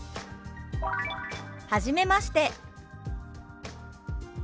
「はじめまして」。